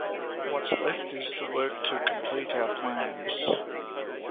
What's left is the work to complete our plans.